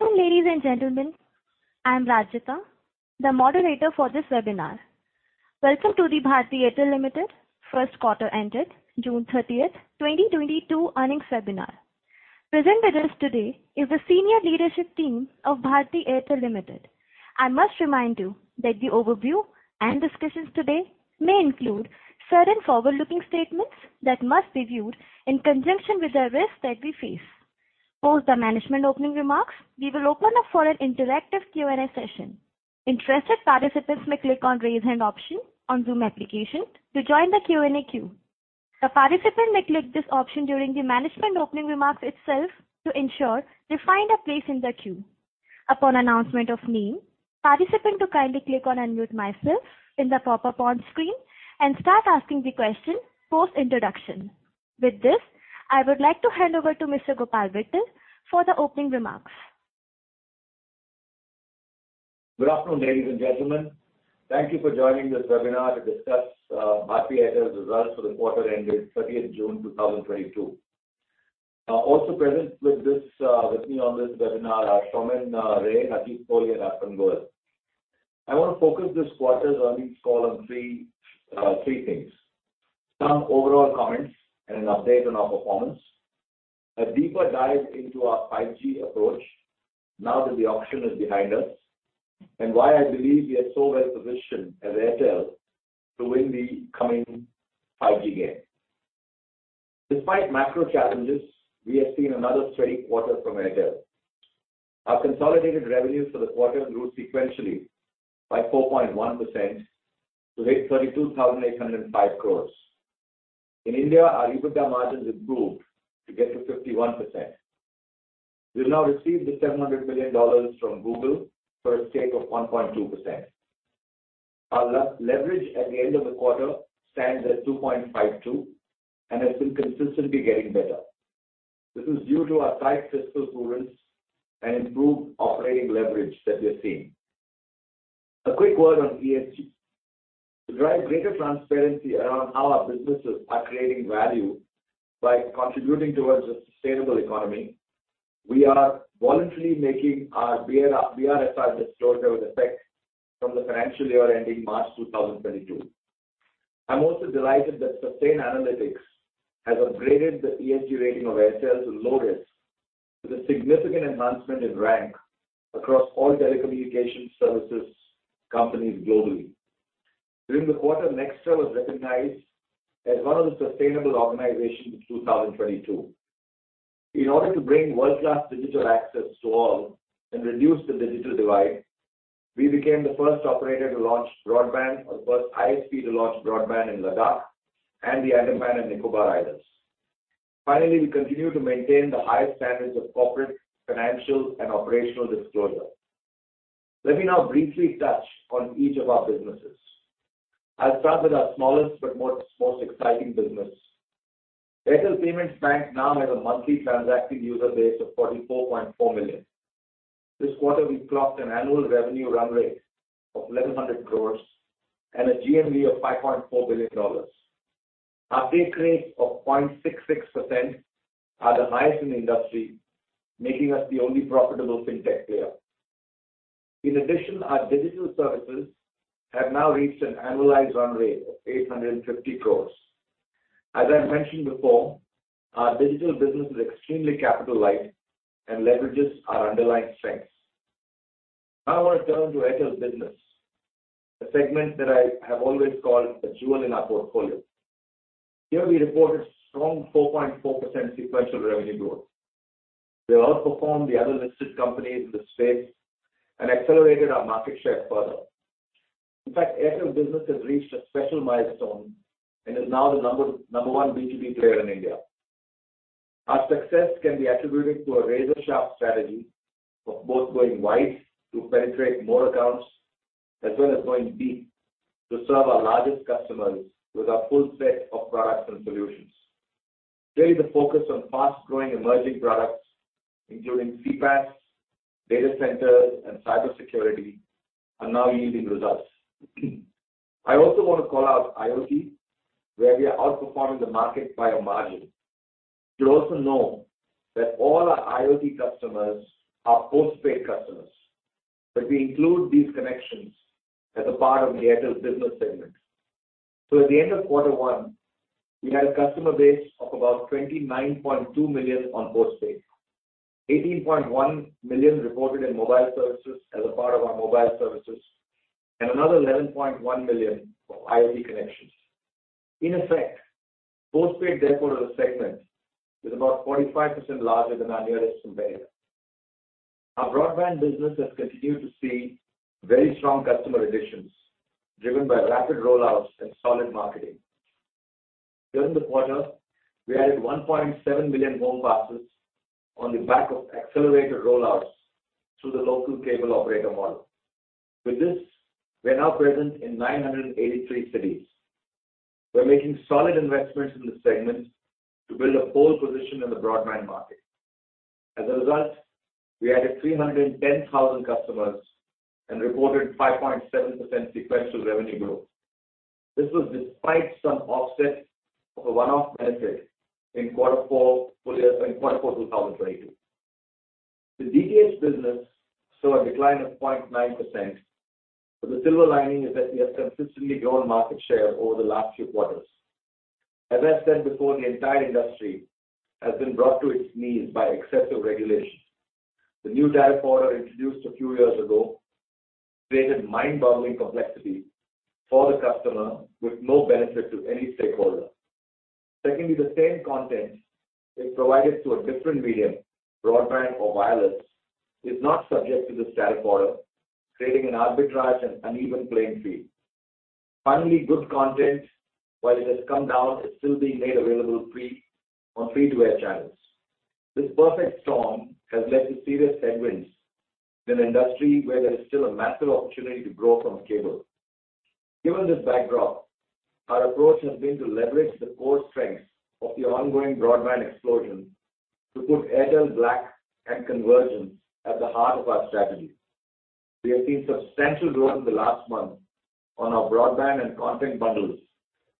Good afternoon, ladies and gentlemen. I'm Rajita, the moderator for this webinar. Welcome to the Bharti Airtel Limited first quarter ended June 30th, 2022 earnings webinar. Present with us today is the senior leadership team of Bharti Airtel Limited. I must remind you that the overview and discussions today may include certain forward-looking statements that must be viewed in conjunction with the risks that we face. Post the management opening remarks, we will open up for an interactive Q&A session. Interested participants may click on Raise Hand option on Zoom application to join the Q&A queue. A participant may click this option during the management opening remarks itself to ensure they find a place in the queue. Upon announcement of name, participant to kindly click on Unmute Myself in the popup on screen and start asking the question post introduction. With this, I would like to hand over to Mr. Gopal Vittal for the opening remarks. Good afternoon, ladies and gentlemen. Thank you for joining this webinar to discuss Bharti Airtel's results for the quarter ending 30th June 2022. Also present with me on this webinar are Soumen Ray, Harjeet Kohli and Arpan Goyal. I want to focus this quarter's earnings call on three things. Some overall comments and an update on our performance. A deeper dive into our 5G approach now that the auction is behind us, and why I believe we are so well-positioned as Airtel to win the coming 5G game. Despite macro challenges, we have seen another steady quarter from Airtel. Our consolidated revenues for the quarter grew sequentially by 4.1% to hit 32,805 crores. In India, our EBITDA margins improved to get to 51%. We've now received $700 million from Google for a stake of 1.2%. Our leverage at the end of the quarter stands at 2.52 and has been consistently getting better. This is due to our tight fiscal prudence and improved operating leverage that we're seeing. A quick word on ESG. To drive greater transparency around how our businesses are creating value by contributing towards a sustainable economy, we are voluntarily making our BRSR disclosure with effect from the financial year ending March 2022. I'm also delighted that Sustainalytics has upgraded the ESG rating of Airtel to Low Risk, with a significant enhancement in rank across all telecommunication services companies globally. During the quarter, Nxtra was recognized as one of the sustainable organizations of 2022. In order to bring world-class digital access to all and reduce the digital divide, we became the first operator to launch broadband or first ISP to launch broadband in Ladakh and the Andaman and Nicobar Islands. Finally, we continue to maintain the highest standards of corporate, financial, and operational disclosure. Let me now briefly touch on each of our businesses. I'll start with our smallest but most exciting business. Airtel Payments Bank now has a monthly transacting user base of 44.4 million. This quarter we clocked an annual revenue run rate of 1,100 crores and a GMV of $5.4 billion. Our take rates of 0.66% are the highest in the industry, making us the only profitable fintech player. In addition, our digital services have now reached an annualized run rate of 850 crores. As I mentioned before, our digital business is extremely capital light and leverages our underlying strengths. Now I want to turn to Airtel's business, a segment that I have always called a jewel in our portfolio. Here we reported strong 4.4% sequential revenue growth. We outperformed the other listed companies in the space and accelerated our market share further. In fact, Airtel business has reached a special milestone and is now the number one B2B player in India. Our success can be attributed to a razor-sharp strategy of both going wide to penetrate more accounts as well as going deep to serve our largest customers with our full set of products and solutions. Today, the focus on fast-growing emerging products, including CPaaS, data centers, and cybersecurity, are now yielding results. I also want to call out IoT, where we are outperforming the market by a margin. You'll also know that all our IoT customers are postpaid customers, but we include these connections as a part of the Airtel business segment. At the end of quarter one, we had a customer base of about 29.2 million on postpaid, 18.1 million reported in mobile services as a part of our mobile services, and another 11.1 million IoT connections. In effect, postpaid therefore as a segment is about 45% larger than our nearest competitor. Our broadband business has continued to see very strong customer additions, driven by rapid rollouts and solid marketing. During the quarter, we added 1.7 million home passes on the back of accelerated rollouts through the local cable operator model. With this, we are now present in 983 cities. We're making solid investments in this segment to build a pole position in the broadband market. As a result, we added 310,000 customers and reported 5.7% sequential revenue growth. This was despite some offset of a one-off benefit in quarter four 2022. The DTH business saw a decline of 0.9%, but the silver lining is that we have consistently grown market share over the last few quarters. As I said before, the entire industry has been brought to its knees by excessive regulation. The new tariff order introduced a few years ago, created mind-boggling complexity for the customer with no benefit to any stakeholder. Secondly, the same content is provided to a different medium, broadband or wireless, is not subject to the tariff order, creating an arbitrage and uneven playing field. Finally, good content, while it has come down, is still being made available free on free-to-air channels. This perfect storm has led to serious headwinds in an industry where there is still a massive opportunity to grow from cable. Given this backdrop, our approach has been to leverage the core strengths of the ongoing broadband explosion to put Airtel Black and convergence at the heart of our strategy. We have seen substantial growth in the last month on our broadband and content bundles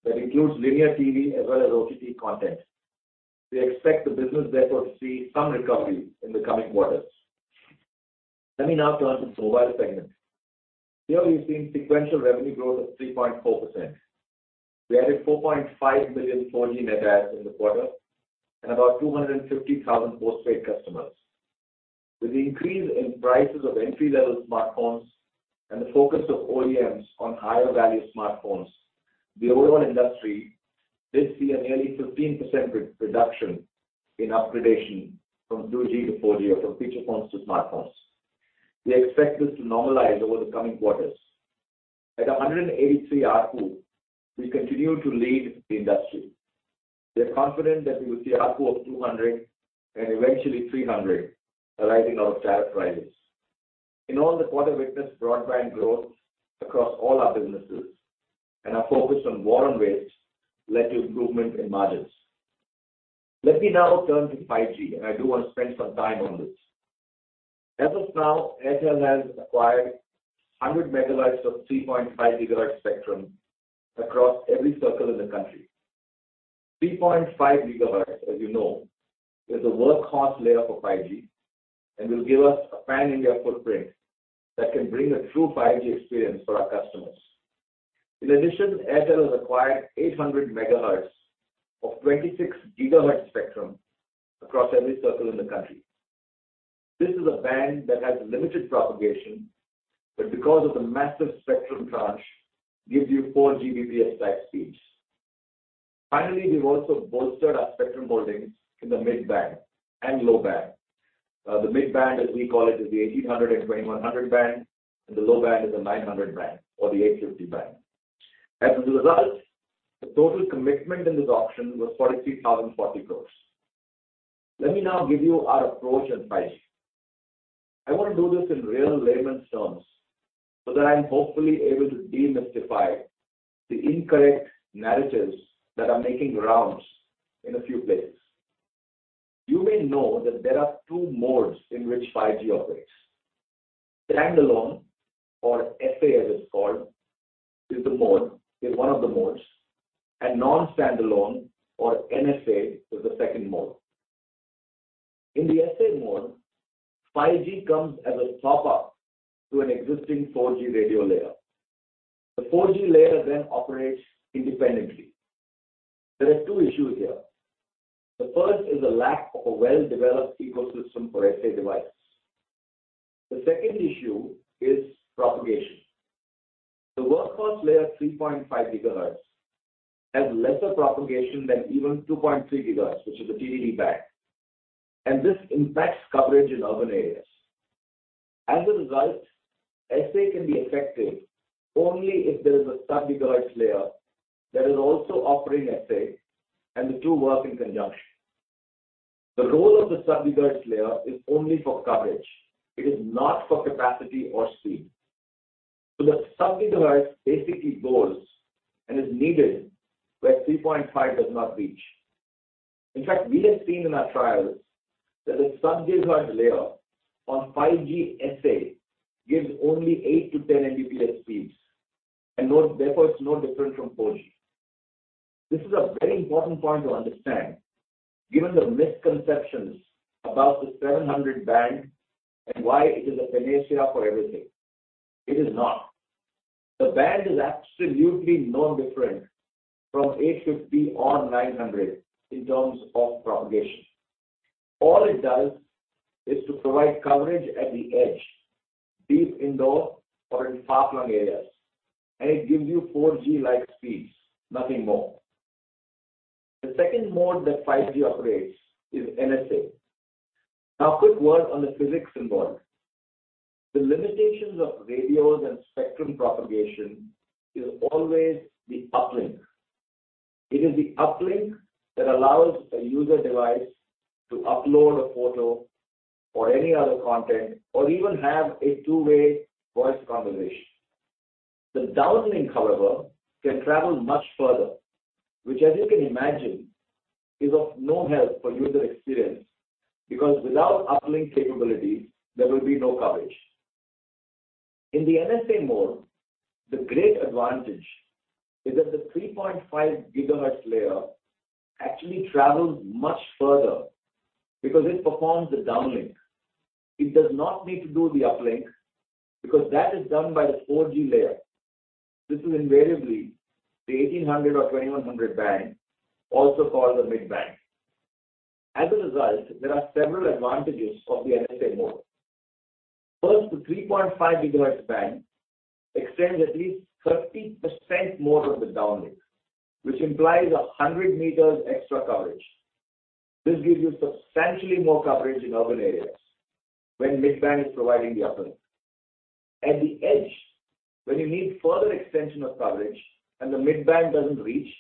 that includes linear TV as well as OTT content. We expect the business, therefore, to see some recovery in the coming quarters. Let me now turn to the mobile segment. Here, we've seen sequential revenue growth of 3.4%. We added 4.5 million 4G net adds in the quarter and about 250,000 postpaid customers. With the increase in prices of entry-level smartphones and the focus of OEMs on higher value smartphones, the overall industry did see a nearly 15% reduction in upgradation from 2G to 4G or from feature phones to smartphones. We expect this to normalize over the coming quarters. At 183 ARPU, we continue to lead the industry. We're confident that we will see ARPU of 200 and eventually 300 arising out of tariff rises. In all, the quarter witnessed broadband growth across all our businesses, and our focus on WAR and WIT led to improvement in margins. Let me now turn to 5G, and I do want to spend some time on this. As of now, Airtel has acquired 100 MHz of 3.5 GHz spectrum across every circle in the country. 3.5 GHz, as you know, is the workhorse layer for 5G and will give us a pan-India footprint that can bring a true 5G experience for our customers. In addition, Airtel has acquired 800 MHz of 26 GHz spectrum across every circle in the country. This is a band that has limited propagation, but because of the massive spectrum tranche, gives you 4 Gbps type speeds. Finally, we've also bolstered our spectrum holdings in the mid-band and low band. The mid-band, as we call it, is the 1800 and 2100 band, and the low band is the 900 band or the 850 band. As a result, the total commitment in this auction was 43,040 crore. Let me now give you our approach in 5G. I want to do this in real layman's terms so that I'm hopefully able to demystify the incorrect narratives that are making rounds in a few places. You may know that there are two modes in which 5G operates. Standalone, or SA as it's called, is one of the modes, and non-standalone, or NSA, is the second mode. In the SA mode, 5G comes as a top-up to an existing 4G radio layer. The 4G layer then operates independently. There are two issues here. The first is the lack of a well-developed ecosystem for SA device. The second issue is propagation. The workhorse layer, 3.5 GHz, has lesser propagation than even 2.3 GHz, which is a TDD band, and this impacts coverage in urban areas. As a result, SA can be effective only if there is a sub-GHz layer that is also operating SA and the two work in conjunction. The role of the sub-GHz layer is only for coverage. It is not for capacity or speed. The sub-GHz basically goes and is needed, where 3.5 does not reach. In fact, we have seen in our trials that a sub-GHz layer on 5G SA gives only 8 Mbps-10 Mbps speeds, and therefore, it's no different from 4G. This is a very important point to understand given the misconceptions about the 700 band and why it is a panacea for everything. It is not. The band is absolutely no different from 850 or 900 in terms of propagation. All it does is to provide coverage at the edge, deep indoor or in far-flung areas, and it gives you 4G-like speeds, nothing more. The second mode that 5G operates is NSA. Now, a quick word on the physics involved. The limitations of radios and spectrum propagation is always the uplink. It is the uplink that allows a user device to upload a photo or any other content or even have a two-way voice conversation. The downlink, however, can travel much further, which as you can imagine is of no help for user experience because without uplink capability, there will be no coverage. In the NSA mode, the great advantage is that the 3.5 GHz layer actually travels much further because it performs the downlink. It does not need to do the uplink because that is done by the 4G layer. This is invariably the 1800 or 2100 band, also called the mid-band. As a result, there are several advantages of the NSA mode. First, the 3.5 GHz band extends at least 30% more of the downlink, which implies 100 m extra coverage. This gives you substantially more coverage in urban areas when mid-band is providing the uplink. At the edge, when you need further extension of coverage and the mid-band doesn't reach,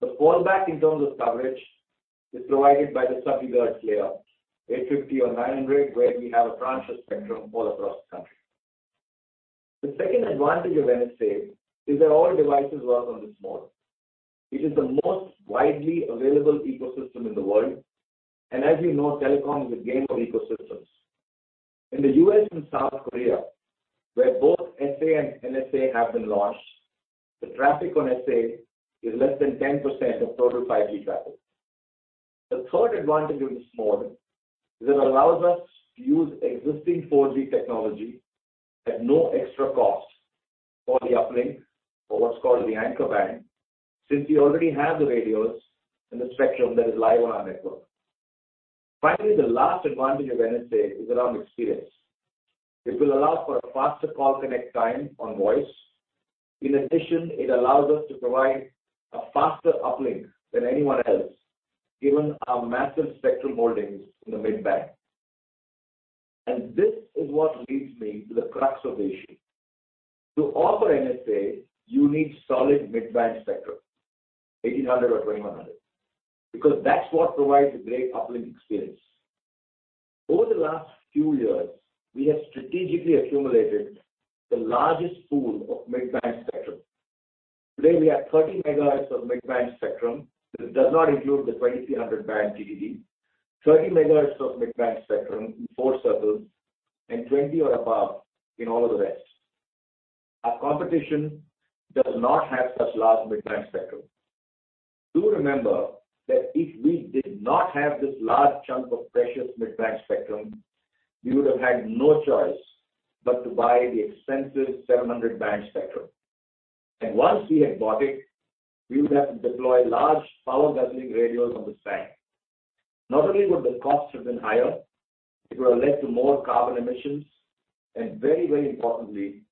the fallback in terms of coverage is provided by the sub-GHz layer, 850 or 900, where we have a band of spectrum all across the country. The second advantage of NSA is that all devices work on this mode. It is the most widely available ecosystem in the world, and as we know, telecom is a game of ecosystems. In the U.S. and South Korea, where both SA and NSA have been launched, the traffic on SA is less than 10% of total 5G traffic. The third advantage of this model is it allows us to use existing 4G technology at no extra cost for the uplink or what's called the anchor band, since we already have the radios and the spectrum that is live on our network. Finally, the last advantage of NSA is around experience. It will allow for a faster call connect time on voice. In addition, it allows us to provide a faster uplink than anyone else, given our massive spectral holdings in the mid-band. This is what leads me to the crux of the issue. To offer NSA, you need solid mid-band spectrum, 1800 or 2100, because that's what provides a great uplink experience. Over the last few years, we have strategically accumulated the largest pool of mid-band spectrum. Today, we have 30 MHz of mid-band spectrum. This does not include the 2300 band TDD. 30 MHz of mid-band spectrum in four circles and 20 or above in all of the rest. Our competition does not have such large mid-band spectrum. Do remember that if we did not have this large chunk of precious mid-band spectrum, we would have had no choice but to buy the expensive 700 band spectrum. Once we had bought it, we would have to deploy large power-guzzling radios on the site. Not only would the cost have been higher, it would have led to more carbon emissions, and very, very importantly,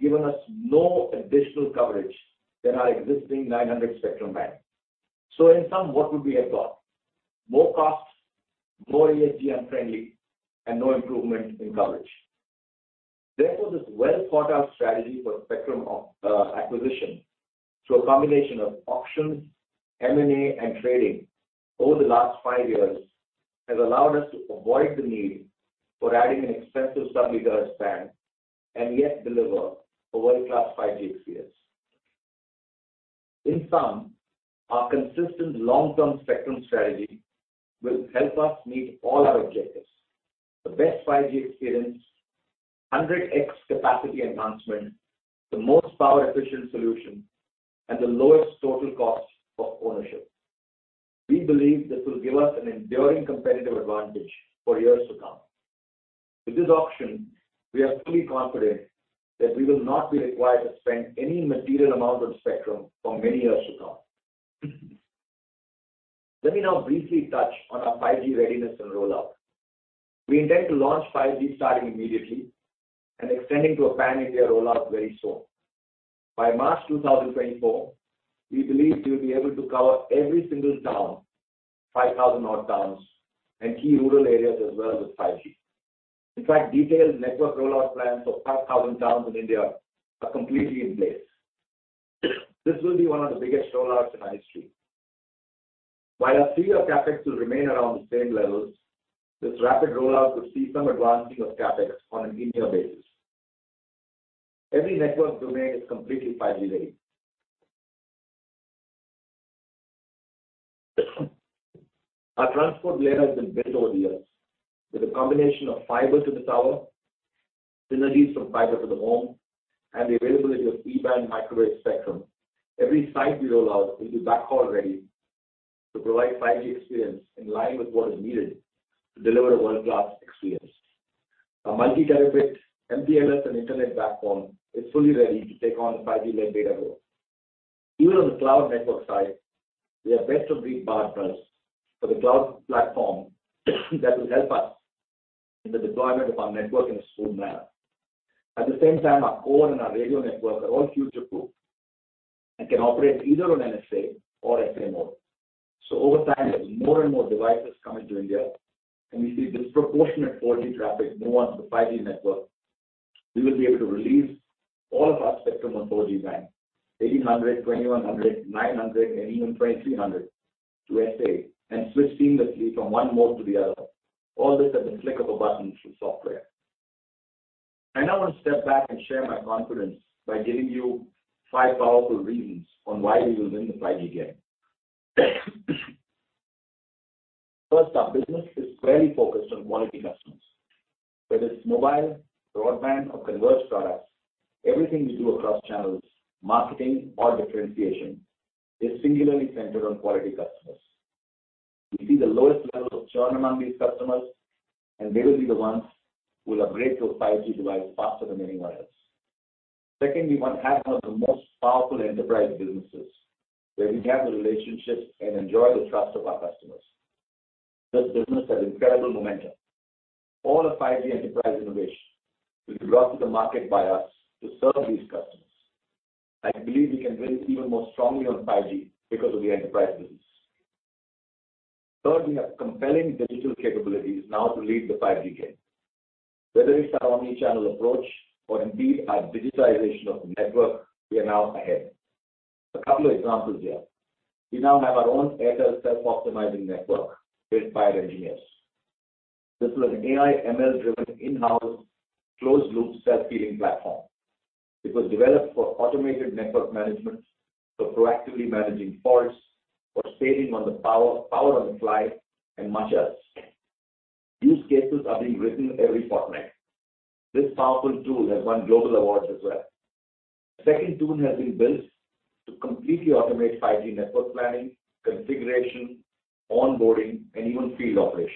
given us no additional coverage than our existing 900 spectrum band. In sum, what would we have got? More costs, more ESG unfriendly, and no improvement in coverage. Therefore, this well-thought-out strategy for spectrum acquisition through a combination of auctions, M&A, and trading over the last five years has allowed us to avoid the need for adding an expensive sub-GHz band and yet deliver a world-class 5G experience. In sum, our consistent long-term spectrum strategy will help us meet all our objectives. The best 5G experience, 100x capacity enhancement, the most power-efficient solution, and the lowest total cost of ownership. We believe this will give us an enduring competitive advantage for years to come. With this auction, we are fully confident that we will not be required to spend any material amount on spectrum for many years to come. Let me now briefly touch on our 5G readiness and rollout. We intend to launch 5G starting immediately and extending to a pan-India rollout very soon. By March 2024, we believe we'll be able to cover every single town, 5,000-odd towns and key rural areas as well with 5G. In fact, detailed network rollout plans for 5,000 towns in India are completely in place. This will be one of the biggest rollouts in our history. While our core CapEx will remain around the same levels, this rapid rollout could see some advancing of CapEx on a year-to-year basis. Every network domain is completely 5G-ready. Our transport layer has been built over the years with a combination of fiber to the tower, synergies from fiber to the home, and the availability of C-band microwave spectrum. Every site we roll out will be backhaul-ready to provide 5G experience in line with what is needed to deliver a world-class experience. Our multi-terabit MPLS and internet backbone is fully ready to take on 5G-led data growth. Even on the cloud network side, we have best-of-breed partners for the cloud platform that will help us in the deployment of our network in a smooth manner. At the same time, our core and our radio networks are all future-proof and can operate either on NSA or SA mode. Over time, as more and more devices come into India and we see disproportionate 4G traffic move onto the 5G network, we will be able to release all of our spectrum on 4G band, 1800, 2100, 900 and even 2300 to SA and switch seamlessly from one mode to the other, all this at the click of a button through software. I now want to step back and share my confidence by giving you 5 powerful reasons on why we will win the 5G game. First, our business is squarely focused on quality customers, whether it's mobile, broadband or converged products, everything we do across channels, marketing or differentiation is singularly centered on quality customers. We see the lowest level of churn among these customers, and they will be the ones who will upgrade to a 5G device faster than anyone else. Second, we want to have one of the most powerful enterprise businesses, where we have the relationships and enjoy the trust of our customers. This business has incredible momentum. All the 5G enterprise innovation will be brought to the market by us to serve these customers. I believe we can win even more strongly on 5G because of the enterprise business. Third, we have compelling digital capabilities now to lead the 5G game. Whether it's our omni-channel approach or indeed our digitization of the network, we are now ahead. A couple of examples here. We now have our own Airtel self-optimizing network built by our engineers. This was an AI, ML-driven, in-house, closed-loop, self-healing platform. It was developed for automated network management, for proactively managing faults, for saving on the power on the fly, and much else. Use cases are being written every fortnight. This powerful tool has won global awards as well. A second tool has been built to completely automate 5G network planning, configuration, onboarding, and even field operations.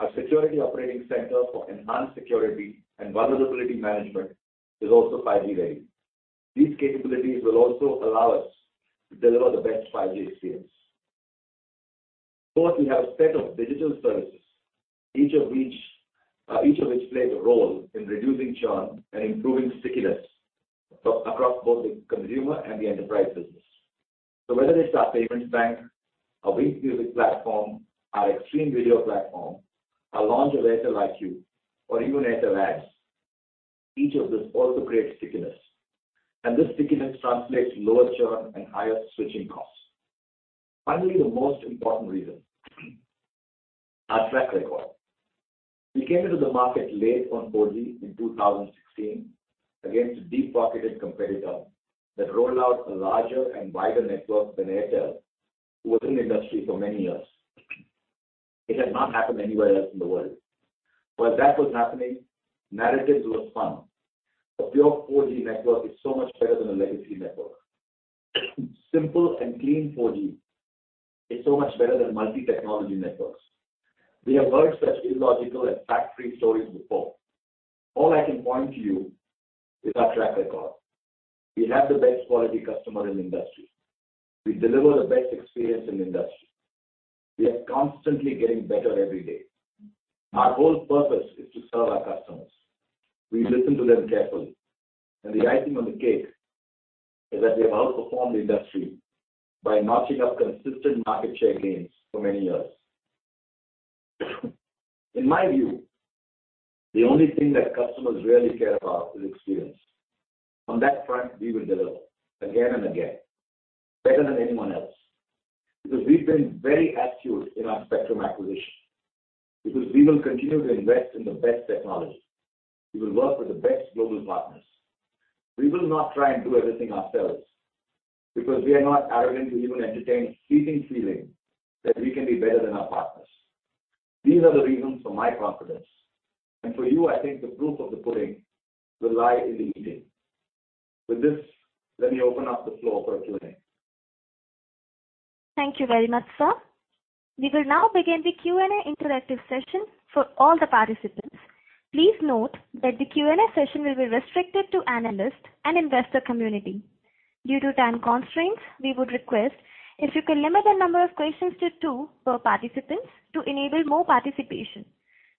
Our security operating center for enhanced security and vulnerability management is also 5G-ready. These capabilities will also allow us to deliver the best 5G experience. Fourth, we have a set of digital services, each of which play a role in reducing churn and improving stickiness across both the consumer and the enterprise business. Whether it's our payments bank, our Wynk Music platform, our Xstream video platform, our launch of Airtel IQ or even Airtel Ads, each of this also creates stickiness. This stickiness translates to lower churn and higher switching costs. Finally, the most important reason, our track record. We came into the market late on 4G in 2016 against a deep-pocketed competitor that rolled out a larger and wider network than Airtel, who was in the industry for many years. It has not happened anywhere else in the world. While that was happening, narratives were spun. A pure 4G network is so much better than a legacy network. Simple and clean 4G is so much better than multi-technology networks. We have heard such illogical and fact-free stories before. All I can point to you is our track record. We have the best quality customer in the industry. We deliver the best experience in the industry. We are constantly getting better every day. Our whole purpose is to serve our customers. We listen to them carefully, and the icing on the cake is that we have outperformed the industry by notching up consistent market share gains for many years. In my view, the only thing that customers really care about is experience. On that front, we will deliver again and again, better than anyone else. Because we've been very astute in our spectrum acquisition. Because we will continue to invest in the best technology. We will work with the best global partners. We will not try and do everything ourselves, because we are not arrogant to even entertain a fleeting feeling that we can be better than our partners. These are the reasons for my confidence. For you, I think the proof of the pudding will lie in the eating. With this, let me open up the floor for Q&A. Thank you very much, sir. We will now begin the Q&A interactive session for all the participants. Please note that the Q&A session will be restricted to analyst and investor community. Due to time constraints, we would request if you can limit the number of questions to two per participant to enable more participation.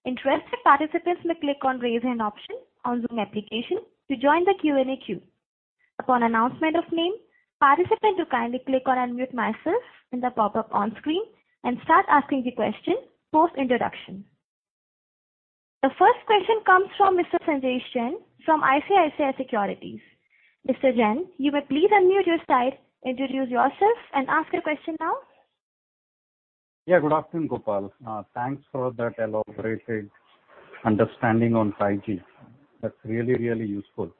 Interested participants may click on Raise Hand option on Zoom application to join the Q&A queue. Upon announcement of name, participant to kindly click on Unmute myself in the pop-up on screen and start asking the question post introduction. The first question comes from Mr. Sanjesh Jain from ICICI Securities. Mr. Jain, you may please unmute your side, introduce yourself and ask your question now. Yeah, good afternoon, Gopal. Thanks for that elaborate understanding on 5G. That's really, really useful.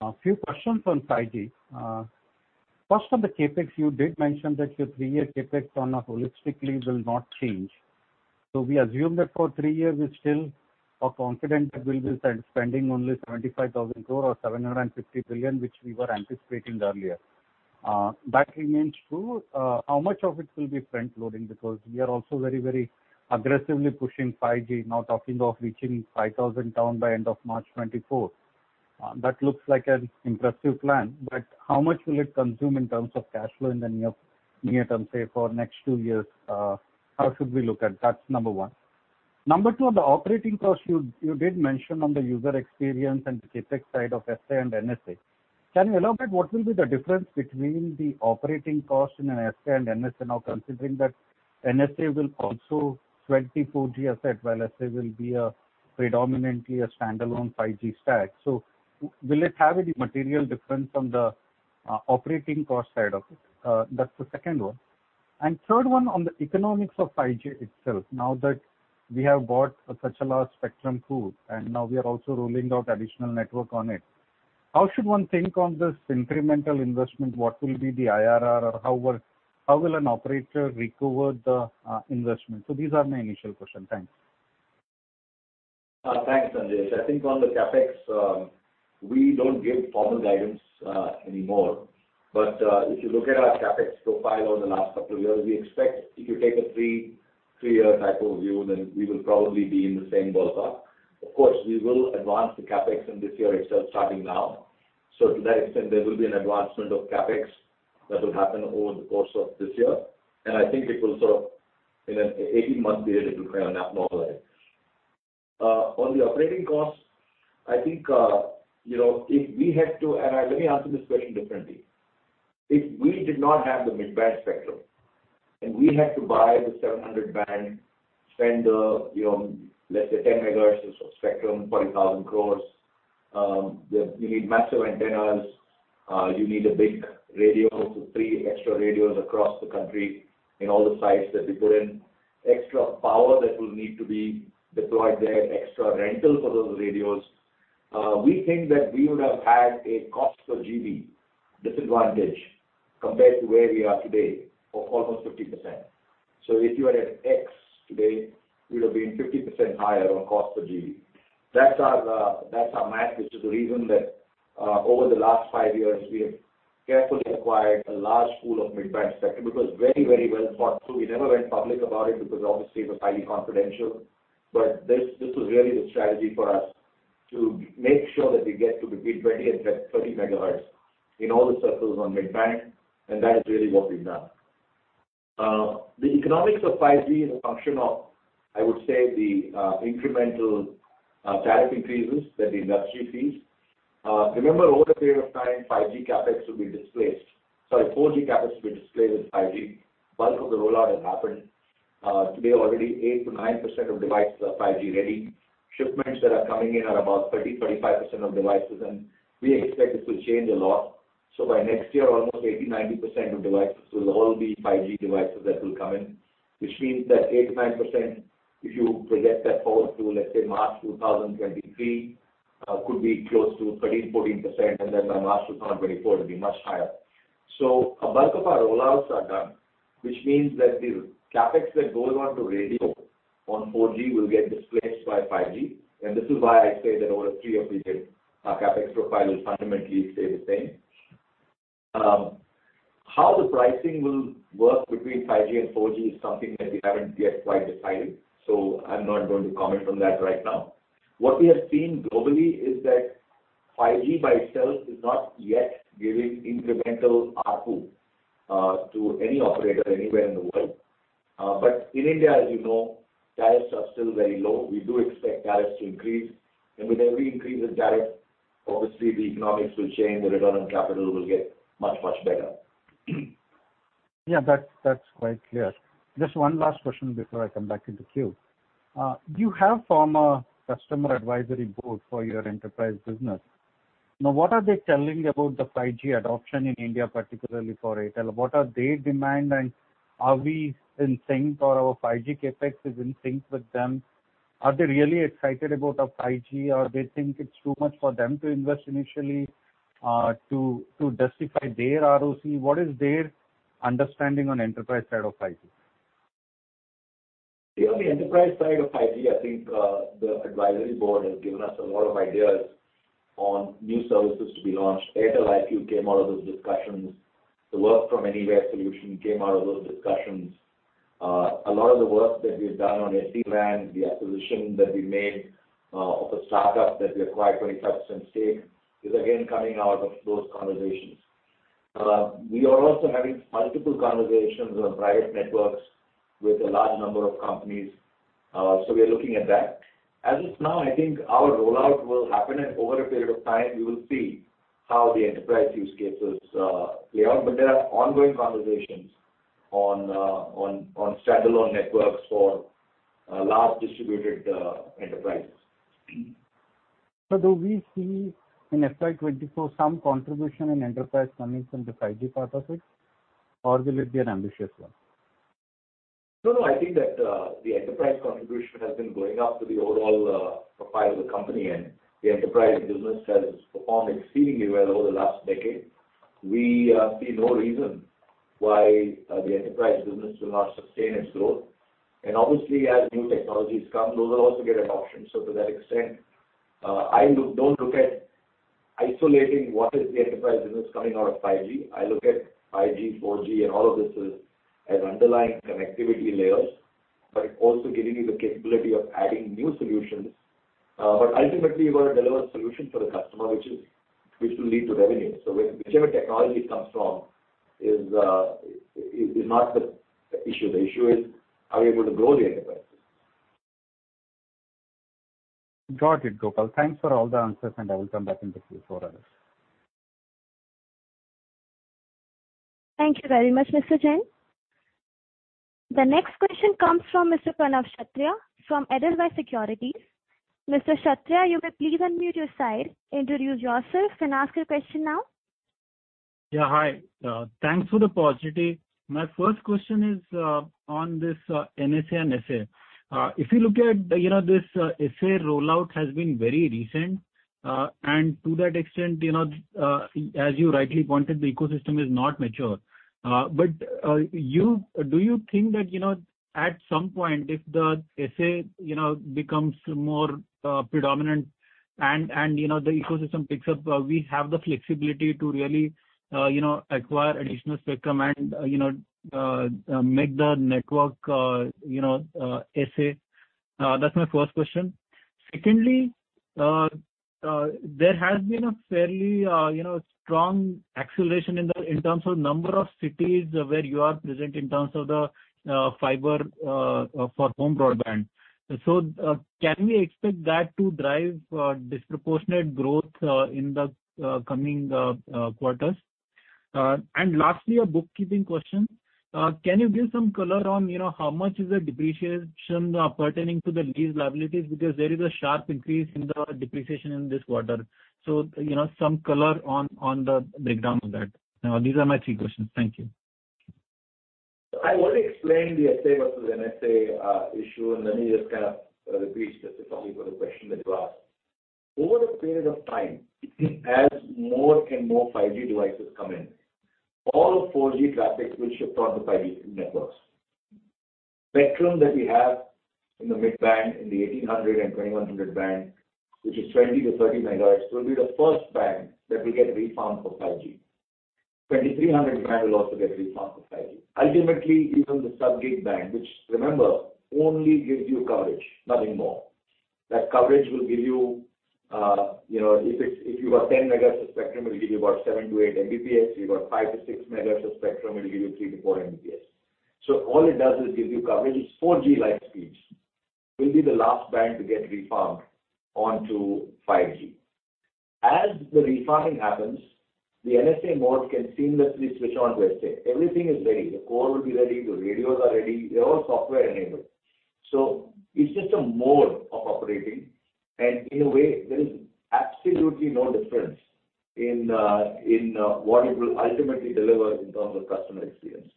A few questions on 5G. First, on the CapEx, you did mention that your three-year CapEx on a holistic basis will not change. We assume that for three years we still are confident that we'll be spending only 75,000 crore or 750 billion, which we were anticipating earlier. That remains true. How much of it will be front-loading? Because we are also very, very aggressively pushing 5G, now talking of reaching 5,000 towns by end of March 2024. That looks like an impressive plan, but how much will it consume in terms of cash flow in the near term, say for next two years? How should we look at? That's number one. Number two, on the operating cost, you did mention on the user experience and CapEx side of SA and NSA. Can you elaborate what will be the difference between the operating cost in an SA and NSA, now considering that NSA will also 4G asset, while SA will be predominantly a standalone 5G stack. Will it have any material difference on the operating cost side of it? That's the second one. Third one, on the economics of 5G itself. Now that we have bought such a large spectrum pool, and now we are also rolling out additional network on it, how should one think on this incremental investment? What will be the IRR or how will an operator recover the investment? These are my initial questions. Thanks. Thanks, Sanjesh. I think on the CapEx, we don't give formal guidance anymore. If you look at our CapEx profile over the last couple of years, we expect if you take a three-year type of view, then we will probably be in the same ballpark. Of course, we will advance the CapEx in this year itself, starting now. To that extent, there will be an advancement of CapEx that will happen over the course of this year. I think it will sort of, in an 18-month period, it will kind of normalize. On the operating costs, I think, you know, let me answer this question differently. If we did not have the mid-band spectrum, and we had to buy the 700 band, spend, let's say, 10 MHz of spectrum, 40,000 crore, you need massive antennas, you need a big radio, so three extra radios across the country in all the sites that we put in, extra power that will need to be deployed there, extra rentals for those radios. We think that we would have had a cost per GB disadvantage compared to where we are today of almost 50%. So if you are at X today, we would have been 50% higher on cost per GB. That's our math, which is the reason that, over the last five years, we have carefully acquired a large pool of mid-band spectrum. It was very, very well thought through. We never went public about it because obviously it was highly confidential. This was really the strategy for us to make sure that we get to between 20 MHz and 30 MHz in all the circles on mid-band, and that is really what we've done. The economics of 5G is a function of, I would say, the incremental tariff increases that the industry sees. Remember, over a period of time, 5G CapEx will be displaced. Sorry, 4G CapEx will be displaced with 5G. Bulk of the rollout has happened. Today already 8%-9% of devices are 5G ready. Shipments that are coming in are about 35% of devices, and we expect this will change a lot. By next year, almost 80%-90% of devices will all be 5G devices that will come in, which means that 8%-9%, if you project that forward to, let's say, March 2023, could be close to 13%-14%, and then by March 2024 it will be much higher. A bulk of our rollouts are done, which means that the CapEx that goes onto radio on 4G will get displaced by 5G. This is why I say that over a three-year period, our CapEx profile will fundamentally stay the same. How the pricing will work between 5G and 4G is something that we haven't yet quite decided, so I'm not going to comment on that right now. What we have seen globally is that 5G by itself is not yet giving incremental ARPU to any operator anywhere in the world. But in India, as you know, tariffs are still very low. We do expect tariffs to increase. With every increase in tariff, obviously the economics will change, the return on capital will get much, much better. Yeah, that's quite clear. Just one last question before I come back in the queue. You have formed a customer advisory board for your enterprise business. Now, what are they telling you about the 5G adoption in India, particularly for Airtel? What are their demand, and are we in sync or our 5G CapEx is in sync with them? Are they really excited about our 5G, or they think it's too much for them to invest initially, to justify their ROC? What is their understanding on enterprise side of 5G? Yeah, on the enterprise side of 5G, I think the advisory board has given us a lot of ideas on new services to be launched. Airtel IQ came out of those discussions. The work from anywhere solution came out of those discussions. A lot of the work that we've done on SD-WAN, the acquisition that we made of the startup that we acquired 25% stake, is again coming out of those conversations. We are also having multiple conversations on private networks with a large number of companies, so we are looking at that. As of now, I think our rollout will happen, and over a period of time, we will see how the enterprise use cases play out. There are ongoing conversations on standalone networks for large distributed enterprises. Do we see in FY 2024 some contribution in enterprise coming from the 5G part of it? Or will it be an ambitious one? No, no, I think that, the enterprise contribution has been going up to the overall, profile of the company, and the enterprise business has performed exceedingly well over the last decade. We see no reason why, the enterprise business will not sustain its growth. Obviously, as new technologies come, those will also get adoption. To that extent, I don't look at isolating what is the enterprise business coming out of 5G. I look at 5G, 4G, and all of this as underlying connectivity layers, but it also giving you the capability of adding new solutions. But ultimately, you want to deliver solution for the customer, which will lead to revenue. Whichever technology it comes from is not the issue. The issue is, are you able to grow the enterprise? Got it, Gopal. Thanks for all the answers, and I will come back in the queue for others. Thank you very much, Mr. Jain. The next question comes from Mr. Pranav Kshatriya from Edelweiss Securities. Mr. Kshatriya, you may please unmute your side, introduce yourself and ask your question now. Yeah, hi. Thanks for the positivity. My first question is on this NSA and SA. If you look at, you know, this SA rollout has been very recent. To that extent, you know, as you rightly pointed, the ecosystem is not mature. Do you think that, you know, at some point, if the SA, you know, becomes more predominant and, you know, the ecosystem picks up, we have the flexibility to really, you know, acquire additional spectrum and, you know, make the network, you know, SA? That's my first question. Secondly, there has been a fairly, you know, strong acceleration in terms of number of cities where you are present in terms of the fiber for home broadband. Can we expect that to drive disproportionate growth in the coming quarters? Lastly, a bookkeeping question. Can you give some color on, you know, how much is the depreciation pertaining to the lease liabilities because there is a sharp increase in the depreciation in this quarter, so, you know, some color on the breakdown of that. Now, these are my three questions. Thank you. I already explained the SA versus NSA issue, and let me just, kind of, repeat specifically for the question that you asked. Over the period of time, as more and more 5G devices come in, all of 4G traffic will shift on to 5G networks. Spectrum that we have in the mid-band, in the 1800 and 2100 band, which is 20 MHz-30 MHz, will be the first band that will get refarmed for 5G. 2300 band will also get refarmed for 5G. Ultimately, even the sub-gig band, which remember, only gives you coverage, nothing more. That coverage will give you know, if it's, if you got 10 MHz of spectrum, it'll give you about 7 Mbps-8 Mbps. You've got 5 MHz-6 MHz of spectrum, it'll give you 3 Mbps-4 Mbps. So all it does is give you coverage. It's 4G-like speeds. Will be the last band to get refarmed onto 5G. As the refarming happens, the NSA mode can seamlessly switch on to SA. Everything is ready. The core will be ready. The radios are ready. They're all software-enabled. So it's just a mode of operating. In a way, there is absolutely no difference in what it will ultimately deliver in terms of customer experience.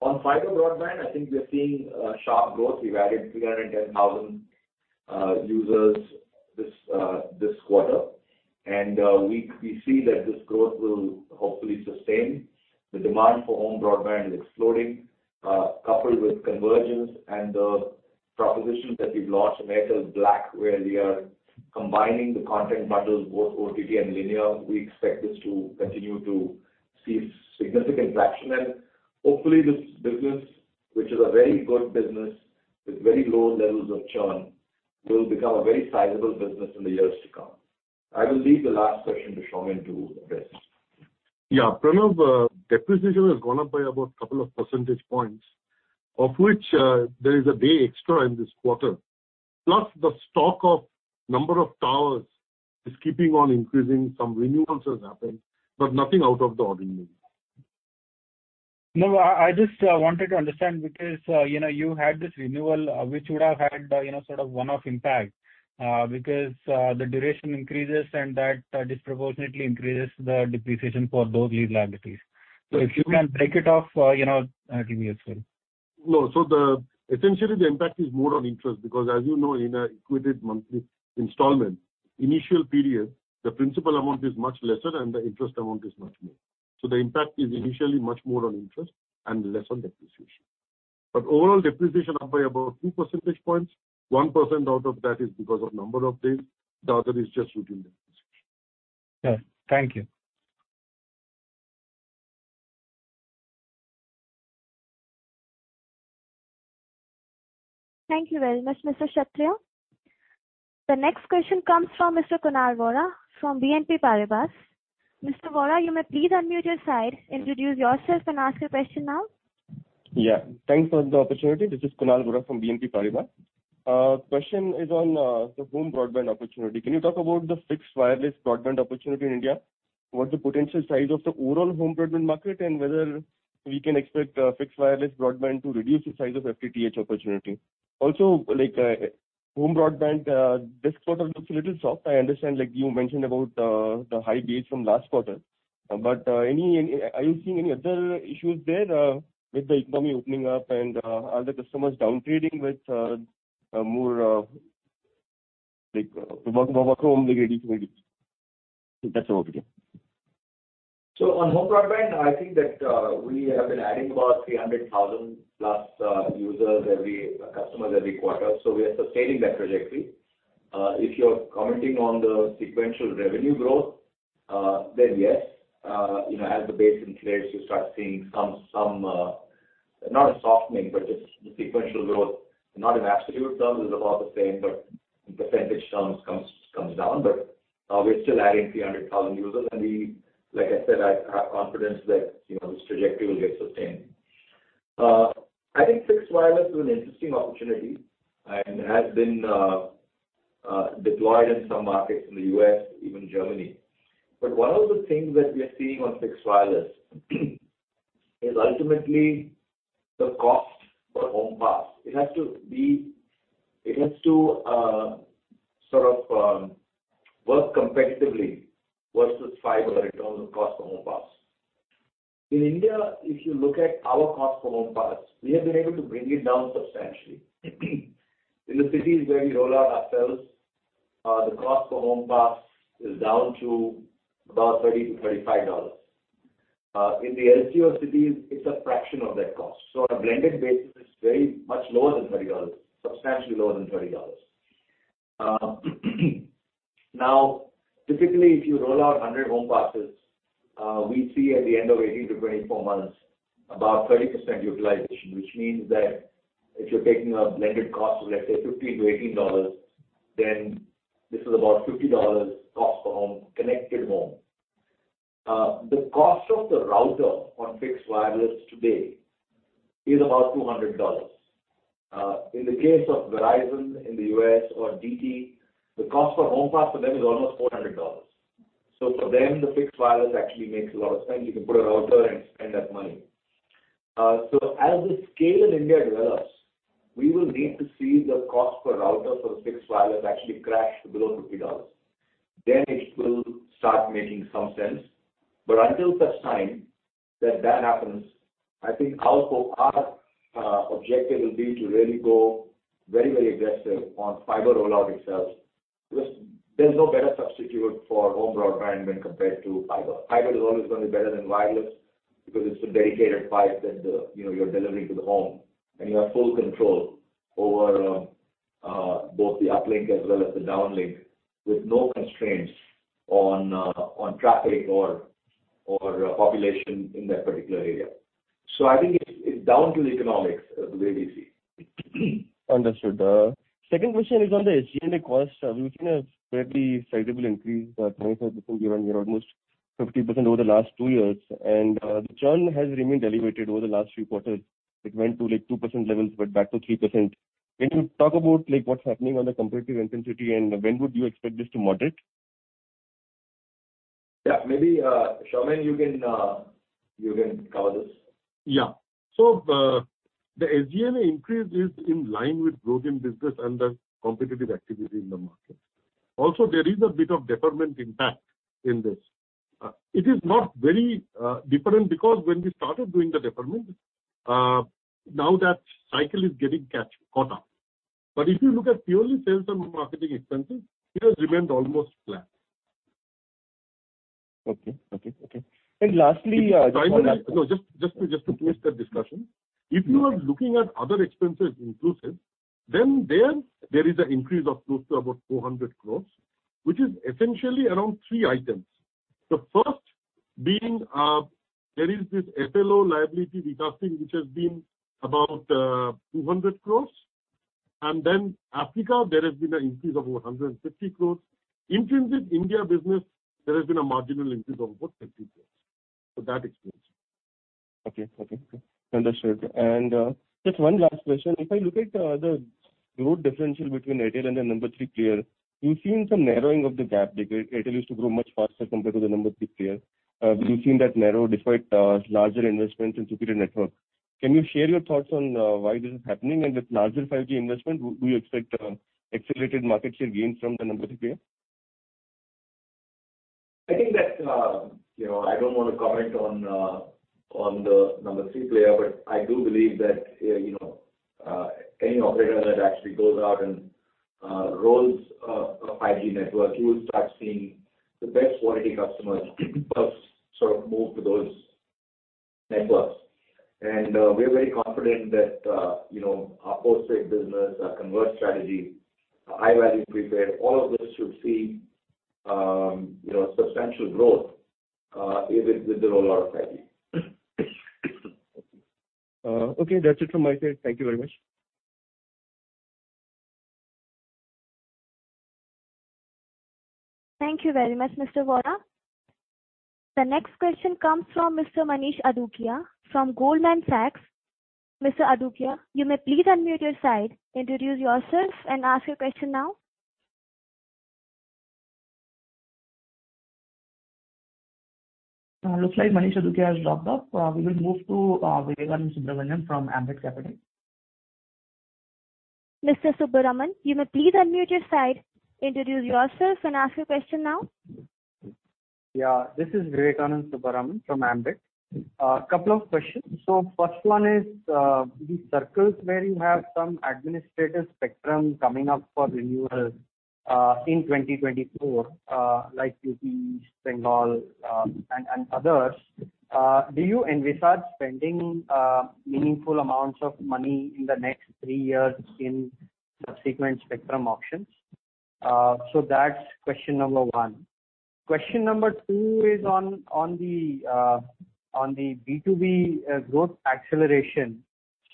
On fiber broadband, I think we're seeing sharp growth. We've added 310,000 users this quarter. We see that this growth will hopefully sustain. The demand for home broadband is exploding, coupled with convergence and the propositions that we've launched, Airtel Black, where we are combining the content bundles, both OTT and linear. We expect this to continue to see significant traction. Hopefully, this business, which is a very good business with very low levels of churn, will become a very sizable business in the years to come. I will leave the last question to Soumen Ray to address. Yeah, Pranav, depreciation has gone up by about couple of percentage points, of which there is a day extra in this quarter, plus the stock of number of towers is keeping on increasing. Some renewals has happened, but nothing out of the ordinary. No, I just wanted to understand because, you know, you had this renewal, which would have had, you know, sort of one-off impact, because, the duration increases and that, disproportionately increases the depreciation for those lease liabilities. If you can break it out, you know, give me a second. No. Essentially, the impact is more on interest because, as you know, in an equated monthly installment, initial period, the principal amount is much lesser and the interest amount is much more. The impact is initially much more on interest and less on depreciation. Overall depreciation up by about 2 percentage points. 1% out of that is because of number of days. The other is just within depreciation. Sure. Thank you. Thank you very much, Mr. Kshatriya. The next question comes from Mr. Kunal Vora from BNP Paribas. Mr. Vora, you may please unmute your side, introduce yourself and ask your question now. Yeah. Thanks for the opportunity. This is Kunal Vora from BNP Paribas. Question is on the home broadband opportunity. Can you talk about the fixed wireless broadband opportunity in India? What's the potential size of the overall home broadband market, and whether we can expect fixed wireless broadband to reduce the size of FTTH opportunity? Also, like, home broadband this quarter looks a little soft. I understand, like you mentioned, about the high base from last quarter. But any. Are you seeing any other issues there with the economy opening up and are the customers down-trading with more like work from home degrading? That's all. Thank you. On home broadband, I think that we have been adding about 300,000+ customers every quarter, so we are sustaining that trajectory. If you're commenting on the sequential revenue growth, then yes. You know, as the base inflates, you start seeing some not a softening, but just the sequential growth, not in absolute terms, is about the same, but in percentage terms comes down. We're still adding 300,000 users. Like I said, I have confidence that, you know, this trajectory will get sustained. I think fixed wireless is an interesting opportunity and has been deployed in some markets in the U.S., even Germany. One of the things that we are seeing on fixed wireless is ultimately the cost per home pass. It has to be. It has to sort of work competitively versus fiber in terms of cost per home pass. In India, if you look at our cost per home pass, we have been able to bring it down substantially. In the cities where we roll out ourselves, the cost per home pass is down to about $30-$35. In the LCO cities, it's a fraction of that cost. On a blended basis, it's very much lower than $30, substantially lower than $30. Now, typically, if you roll out 100 home passes, we see at the end of 18-24 months about 30% utilization, which means that if you're taking a blended cost of, let's say, $15-$18, then this is about $50 cost per home, connected home. The cost of the router on fixed wireless today is about $200. In the case of Verizon in the U.S. or DT, the cost per home pass for them is almost $400. For them, the fixed wireless actually makes a lot of sense. You can put a router and spend that money. As the scale in India develops, we will need to see the cost per router for fixed wireless actually crash below $50. It will start making some sense. Until such time that happens, I think our objective will be to really go very, very aggressive on fiber rollout itself, because there's no better substitute for home broadband when compared to fiber. Fiber is always gonna be better than wireless because it's a dedicated pipe that, you know, you're delivering to the home, and you have full control over both the uplink as well as the downlink, with no constraints on traffic or population in that particular area. I think it's down to the economics, the way we see. Understood. Second question is on the SG&A costs. We've seen a very sizable increase. 25% year-on-year, almost 50% over the last two years. The churn has remained elevated over the last few quarters. It went to, like, 2% levels, but back to 3%. Can you talk about, like, what's happening on the competitive intensity, and when would you expect this to moderate? Yeah. Maybe, Soumen Ray, you can cover this. Yeah. The SG&A increase is in line with growth in business and the competitive activity in the market. Also, there is a bit of deferment impact in this. It is not very different because when we started doing the deferment, now that cycle is getting caught up. If you look at purely sales and marketing expenses, it has remained almost flat. Okay. Lastly, just one last- No, just to twist that discussion. If you are looking at other expenses inclusive, then there is an increase of close to about 400 crores, which is essentially around three items. The first being, there is this SLO liability recasting, which has been about 200 crores. Then Africa, there has been an increase of about 150 crores. Intrinsic India business, there has been a marginal increase of about INR 50 crores. That explains. Just one last question. If I look at the growth differential between Airtel and the number three player, we've seen some narrowing of the gap because Airtel used to grow much faster compared to the number three player. We've seen that narrow despite larger investments in superior network. Can you share your thoughts on why this is happening? With larger 5G investment, do you expect accelerated market share gains from the number three player? I think that, you know, I don't wanna comment on the number three player, but I do believe that, you know, any operator that actually goes out and rolls a 5G network, you will start seeing the best quality customers first sort of move to those networks. We're very confident that, you know, our postpaid business, our convert strategy, our high-value prepaid, all of this should see, you know, substantial growth with the rollout of 5G. Okay. That's it from my side. Thank you very much. Thank you very much, Mr. Vora. The next question comes from Mr. Manish Adukia from Goldman Sachs. Mr. Adukia, you may please unmute your side, introduce yourself, and ask your question now. Looks like Manish Adukia has logged off. We will move to Vivekanand Subbaraman from Ambit Capital. Mr. Subbaraman, you may please unmute your side, introduce yourself, and ask your question now. Yeah. This is Vivekanand Subbaraman from Ambit. A couple of questions. First one is, the circles where you have some administrative spectrum coming up for renewal, in 2024, like UP East, Bengal, and others, do you envisage spending meaningful amounts of money in the next three years in subsequent spectrum auctions? That's question number one. Question number two is on the B2B growth acceleration.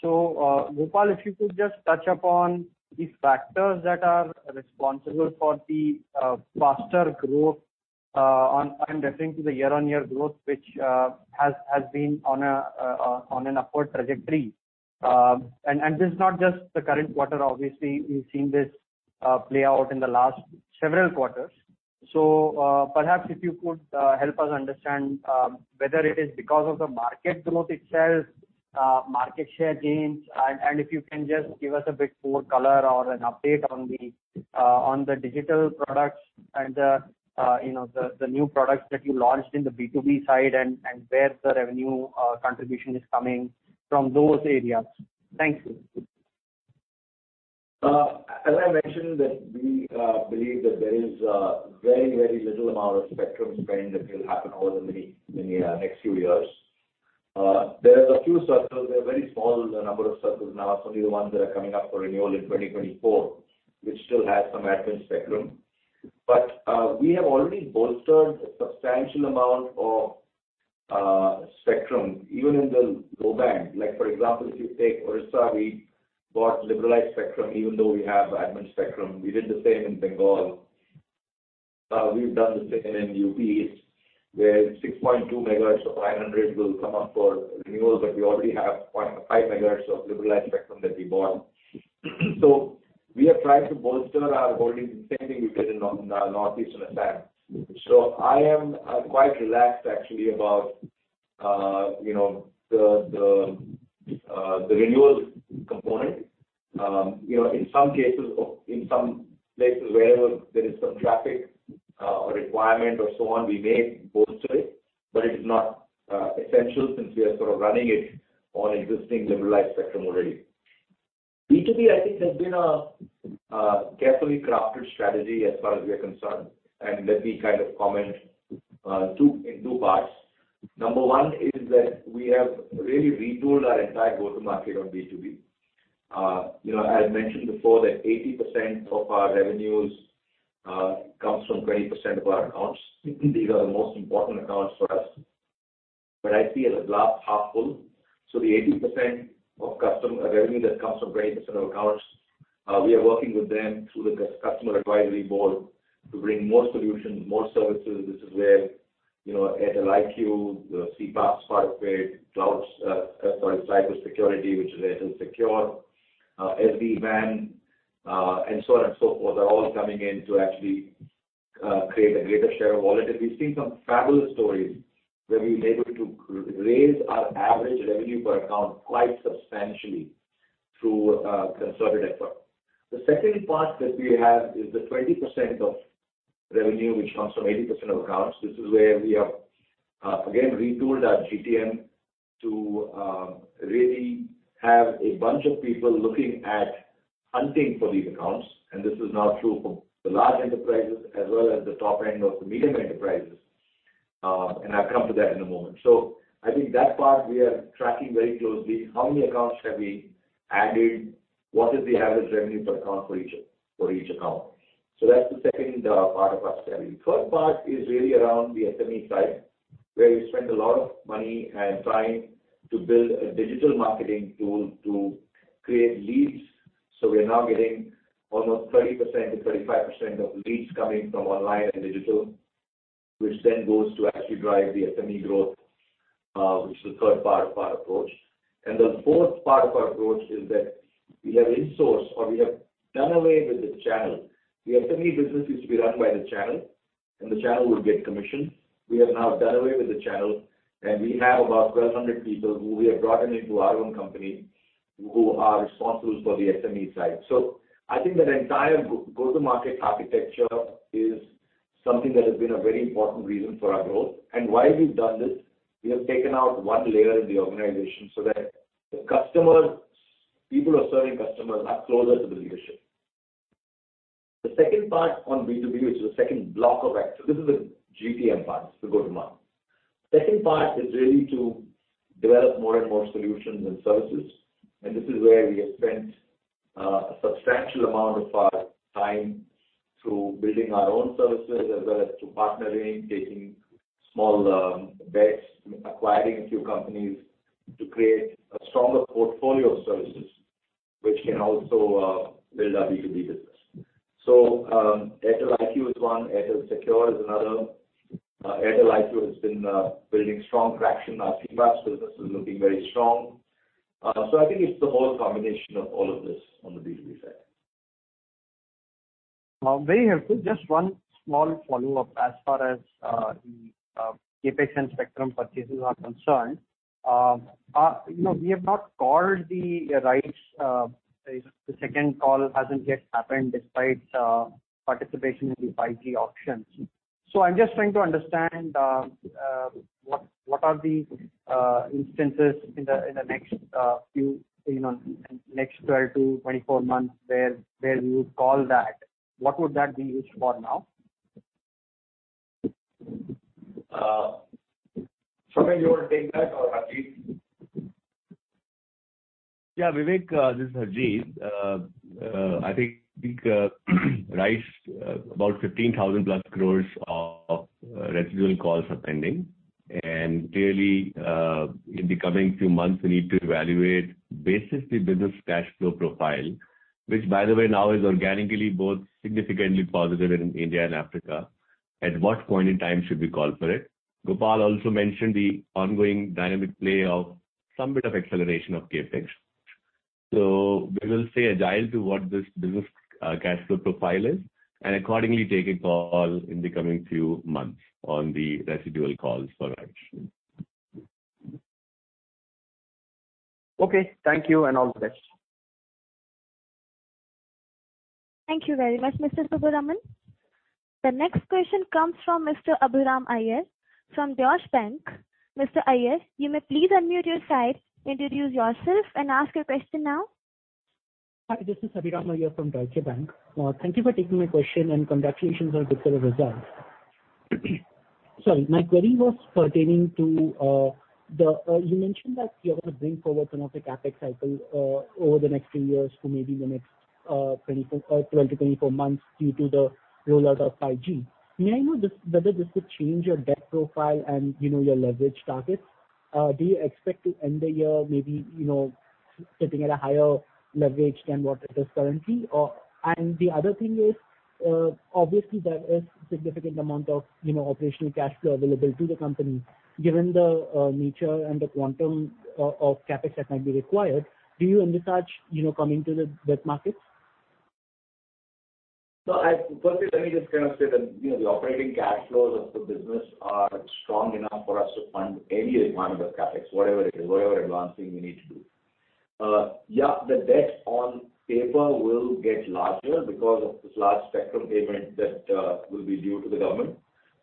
Gopal, if you could just touch upon the factors that are responsible for the faster growth on. I'm referring to the year-on-year growth, which has been on an upward trajectory. This is not just the current quarter, obviously. We've seen this play out in the last several quarters. Perhaps if you could help us understand whether it is because of the market growth itself, market share gains, and if you can just give us a bit more color or an update on the digital products and the, you know, the new products that you launched in the B2B side and where the revenue contribution is coming from those areas. Thank you. As I mentioned that we believe that there is very little amount of spectrum spend that will happen over the many next few years. There are a few circles, they're very small in the number of circles now. It's only the ones that are coming up for renewal in 2024, which still has some admin spectrum. We have already bolstered a substantial amount of spectrum even in the low band. Like for example, if you take Odisha, we bought liberalized spectrum even though we have admin spectrum. We did the same in Bengal. We've done the second in UP, where 6.2 MHz of 500 will come up for renewal, but we already have 0.5 MHz of liberalized spectrum that we bought. We are trying to bolster our holdings, the same thing we did in Northeast Assam. I am quite relaxed actually about you know the renewal component. You know, in some cases or in some places wherever there is some traffic or requirement or so on, we may bolster it, but it's not essential since we are sort of running it on existing liberalized spectrum already. B2B, I think, has been a carefully crafted strategy as far as we are concerned, and let me kind of comment in two parts. Number one is that we have really retooled our entire go-to-market on B2B. You know, I had mentioned before that 80% of our revenues comes from 20% of our accounts. These are the most important accounts for us. I see it as glass half full. The 80% of revenue that comes from 20% of accounts, we are working with them through the customer advisory board to bring more solutions, more services. This is where, you know, Airtel IQ, the CPaaS, 5G clouds, sorry, cybersecurity, which is Airtel Secure, SD-WAN, and so on and so forth, are all coming in to actually create a greater share of wallet. We've seen some fabulous stories where we've been able to raise our average revenue per account quite substantially through a concerted effort. The second part that we have is the 20% of revenue which comes from 80% of accounts. This is where we have, again, retooled our GTM to really have a bunch of people looking to hunt for these accounts. This is now true for the large enterprises as well as the top end of the medium enterprises. I'll come to that in a moment. I think that part we are tracking very closely. How many accounts have we added? What is the average revenue per account for each account? That's the second part of our strategy. Third part is really around the SME side, where we spend a lot of money and time to build a digital marketing tool to create leads. We are now getting almost 30%-35% of leads coming from online and digital, which then goes to actually drive the SME growth, which is the third part of our approach. The fourth part of our approach is that we have insourced or we have done away with the channel. The SME business used to be run by the channel, and the channel would get commission. We have now done away with the channel, and we have about 1,200 people who we have brought into our own company, who are responsible for the SME side. I think that entire go-to-market architecture is something that has been a very important reason for our growth. Why we've done this, we have taken out one layer in the organization so that the customers, people who are serving customers are closer to the leadership. The second part on B2B, which is the second block of activity, this is the GTM part, it's the go-to-market. Second part is really to develop more and more solutions and services, and this is where we have spent a substantial amount of our time through building our own services as well as through partnering, taking small bets, acquiring a few companies to create a stronger portfolio of services which can also build our B2B business. Airtel IQ is one, Airtel Secure is another. Airtel IQ has been building strong traction. Our CPaaS business is looking very strong. I think it's the whole combination of all of this on the B2B side. Very helpful. Just one small follow-up as far as the CapEx and spectrum purchases are concerned. You know, we have not called the rights, the second call hasn't yet happened despite participation in the 5G auctions. I'm just trying to understand what are the instances in the next few, you know, next 12-24 months where you call that? What would that be used for now? Soumen, you wanna take that or Harjeet? Yeah, Vivekanand, this is Harjeet. I think right about 15,000+ crore of residual dues are pending. Clearly, in the coming few months, we need to evaluate basically business cash flow profile, which, by the way, now is organically both significantly positive in India and Africa. At what point in time should we call for it? Gopal also mentioned the ongoing dynamic play of a bit of acceleration of CapEx. We will stay agile to what this business cash flow profile is, and accordingly, take a call in the coming few months on the residual dues for action. Okay. Thank you, and all the best. Thank you very much, Mr. Subbaraman. The next question comes from Mr. Abraham Airy from Deutsche Bank. Mr. Airy, you may please unmute your side, introduce yourself, and ask your question now. Hi, this is Abraham Airy from Deutsche Bank. Thank you for taking my question, and congratulations on a good set of results. Sorry. My query was pertaining to you mentioned that you're gonna bring forward some of the CapEx cycle over the next few years to maybe the next 12-24 months due to the rollout of 5G. May I know this, whether this could change your debt profile and, you know, your leverage targets? Do you expect to end the year maybe, you know, sitting at a higher leverage than what it is currently? The other thing is, obviously there is significant amount of, you know, operational cash flow available to the company. Given the nature and the quantum of CapEx that might be required, do you envisage, you know, coming to the debt markets? No, firstly, let me just kind of say that, you know, the operating cash flows of the business are strong enough for us to fund any requirement of CapEx, whatever it is, whatever advancing we need to do. The debt on paper will get larger because of this large spectrum payment that will be due to the government.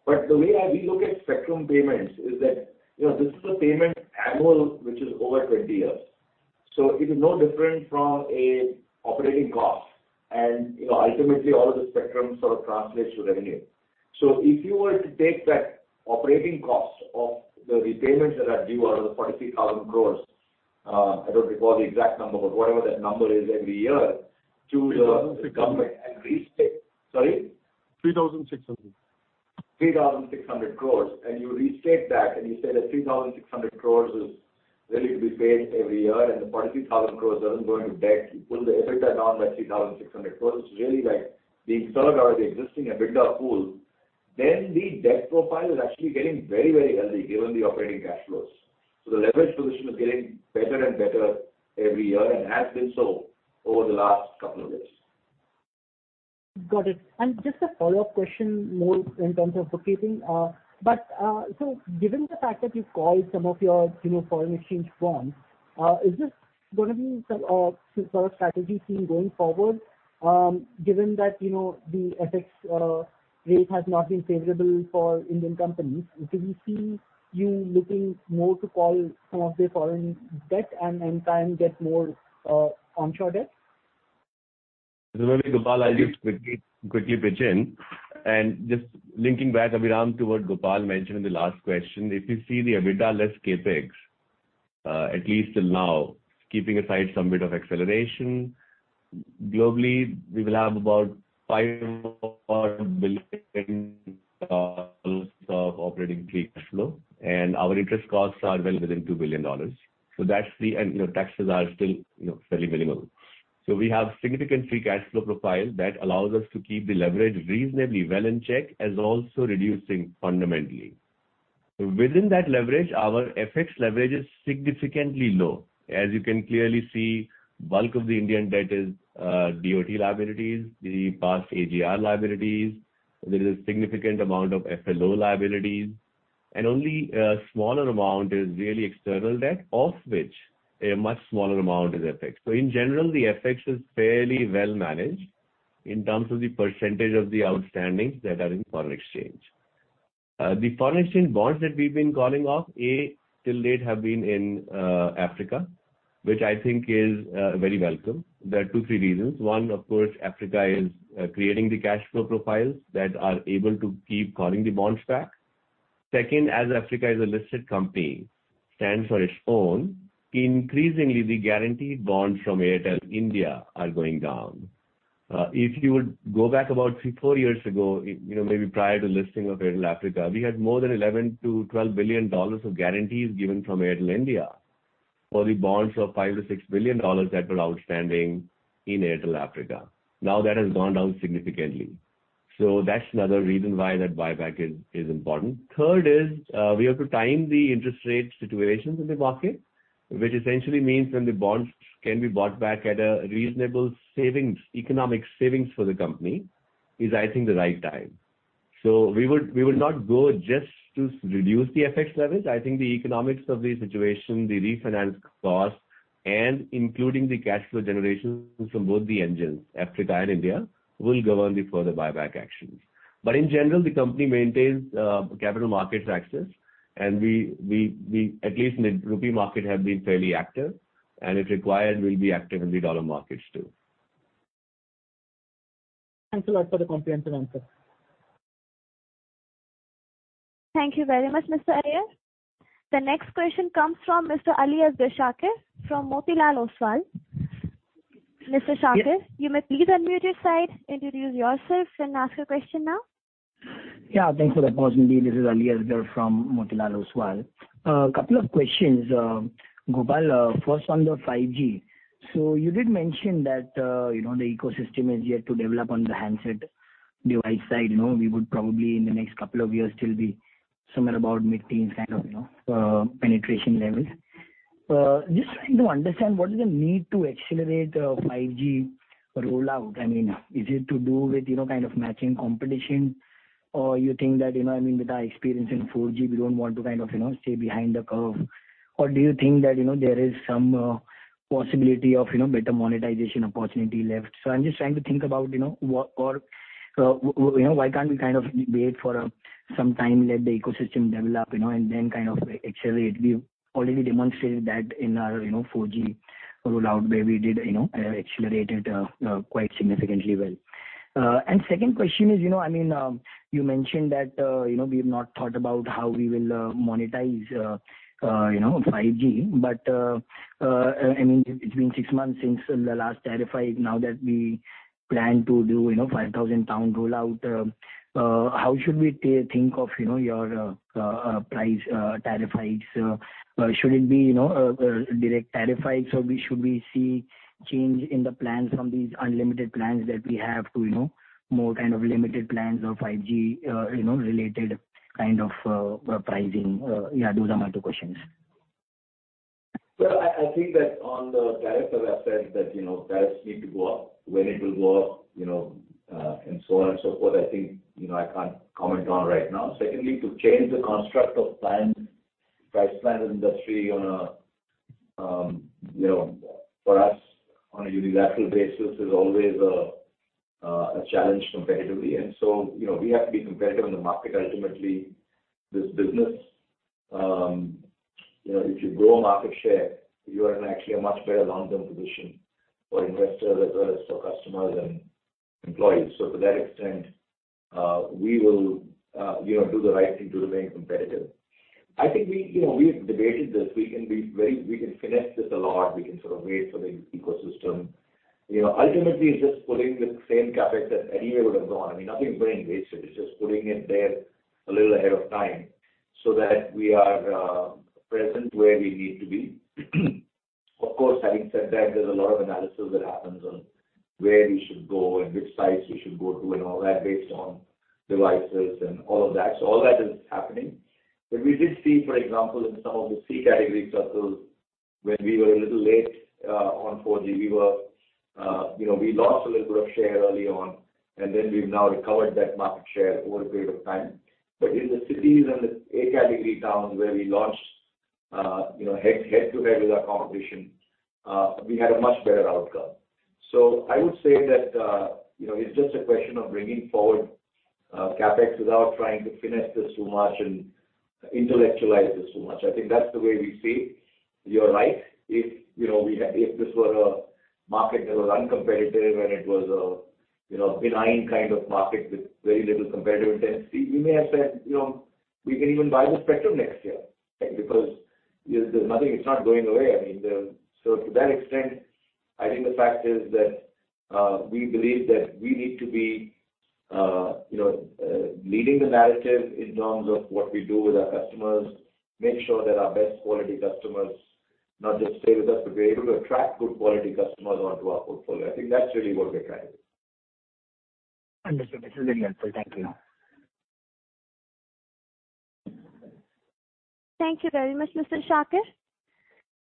The way how we look at spectrum payments is that, you know, this is an annual payment which is over 20 years. It is no different from an operating cost. You know, ultimately, all of the spectrum sort of translates to revenue. If you were to take that operating cost of the repayments that are due, or the 43,000 crore, I don't recall the exact number, but whatever that number is every year, to the. 3,600 crores. Sorry? INR 3,600 crores. INR 3,600 crores. You restate that. You say that 3,600 crores is really to be paid every year. The 43,000 crores doesn't go into debt. You pull the EBITDA down by 3,600 crores. It's really like being served out of the existing EBITDA pool. The debt profile is actually getting very, very healthy given the operating cash flows. The leverage position is getting better and better every year and has been so over the last couple of years. Got it. Just a follow-up question more in terms of bookkeeping. Given the fact that you've called some of your, you know, foreign exchange bonds, is this gonna be some sort of strategy seen going forward, given that, you know, the FX rate has not been favorable for Indian companies? Could we see you looking more to call some of the foreign debt and in time get more onshore debt? Maybe, Gopal, I'll just quickly pitch in. Just linking back, Abhiram, to what Gopal mentioned in the last question. If you see the EBITDA less CapEx, at least till now, keeping aside some bit of acceleration, globally we will have about $5 billion of operating free cash flow, and our interest costs are well within $2 billion. That's the. You know, taxes are still, you know, fairly minimal. We have significant free cash flow profile that allows us to keep the leverage reasonably well in check, as also reducing fundamentally. Within that leverage, our FX leverage is significantly low. As you can clearly see, bulk of the Indian debt is DoT liabilities, the past AGR liabilities. There is a significant amount of ROU liabilities, and only a smaller amount is really external debt, of which a much smaller amount is FX. In general, the FX is fairly well managed in terms of the percentage of the outstandings that are in foreign exchange. The foreign exchange bonds that we've been calling off till date have been in Africa, which I think is very welcome. There are two, three reasons. One, of course, Africa is creating the cash flow profiles that are able to keep calling the bonds back. Second, as Africa is a listed company, stands on its own, increasingly the guaranteed bonds from Airtel India are going down. If you would go back about 3-4 years ago, you know, maybe prior to listing of Airtel Africa, we had more than $11 billion-$12 billion of guarantees given from Airtel India for the bonds of $5 billion-$6 billion that were outstanding in Airtel Africa. Now that has gone down significantly. That's another reason why that buyback is important. Third is, we have to time the interest rate situations in the market, which essentially means when the bonds can be bought back at a reasonable savings, economic savings for the company, is, I think, the right time. We would not go just to reduce the FX levels. I think the economics of the situation, the refinance cost, and including the cash flow generation from both the engines, Africa and India, will govern the further buyback actions. In general, the company maintains capital markets access, and we at least in the rupee market have been fairly active, and if required, we'll be active in the dollar markets too. Thanks a lot for the comprehensive answer. Thank you very much, Mr. Airy. The next question comes from Mr. Aliasgar Shakir from Motilal Oswal. Mr. Shakir- Yes. You may please unmute your side, introduce yourself, and ask your question now. Yeah, thanks for the opportunity. This is Aliasgar Shakir from Motilal Oswal. A couple of questions, Gopal. First on the 5G. So you did mention that, you know, the ecosystem is yet to develop on the handset device side. You know, we would probably in the next couple of years still be somewhere about mid-teens, kind of, you know, penetration levels. Just trying to understand what is the need to accelerate 5G rollout. I mean, is it to do with, you know, kind of matching competition? Or you think that, you know, I mean, with our experience in 4G, we don't want to kind of, you know, stay behind the curve. Or do you think that, you know, there is some possibility of, you know, better monetization opportunity left? I'm just trying to think about, you know, why can't we kind of wait for some time, let the ecosystem develop, you know, and then kind of accelerate. We've already demonstrated that in our, you know, 4G rollout, where we did, you know, accelerate it quite significantly well. Second question is, you know, I mean, you mentioned that you know, we have not thought about how we will monetize you know, 5G. I mean, it's been six months since the last tariff hike now that we plan to do, you know, 5,000 town rollout. How should we think of, you know, your price tariff hikes? Should it be, you know, direct tariff hikes, or should we see change in the plans from these unlimited plans that we have to, you know, more kind of limited plans or 5G, you know, related kind of pricing? Yeah, those are my two questions. Well, I think that on the tariff, as I said, that, you know, tariffs need to go up. When it will go up, you know, and so on and so forth, I think, you know, I can't comment on right now. Secondly, to change the construct of plan, price plan industry on a, you know, for us, on a unilateral basis is always a challenge competitively. You know, we have to be competitive in the market. Ultimately, this business, you know, if you grow market share, you are in actually a much better long-term position for investors, as well as for customers and employees. To that extent, we will, you know, do the right thing to remain competitive. I think we, you know, we've debated this. We can finesse this a lot. We can sort of wait for the ecosystem. You know, ultimately, it's just putting the same CapEx that any year would have gone. I mean, nothing's being wasted. It's just putting it there a little ahead of time so that we are present where we need to be. Of course, having said that, there's a lot of analysis that happens on where we should go and which sites we should go to and all that based on devices and all of that. So all that is happening. We did see, for example, in some of the C category circles, where we were a little late on 4G. We were, you know, we lost a little bit of share early on, and then we've now recovered that market share over a period of time. In the cities and the A category towns where we launched, you know, head-to-head with our competition, we had a much better outcome. I would say that, you know, it's just a question of bringing forward CapEx without trying to finesse this too much and intellectualize this too much. I think that's the way we see. You're right. If this were a market that was uncompetitive and it was a, you know, benign kind of market with very little competitive intensity, we may have said, you know, we can even buy the spectrum next year, right? Because there's nothing. It's not going away. I mean, to that extent, I think the fact is that, we believe that we need to be, you know, leading the narrative in terms of what we do with our customers, make sure that our best quality customers not just stay with us, but we're able to attract good quality customers onto our portfolio. I think that's really what we're trying to do. Understood. This is really helpful. Thank you. Thank you very much, Mr. Shakir.